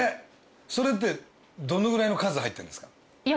それってどのぐらいの数入ってるんですか？